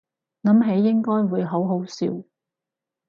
諗起應該會好好笑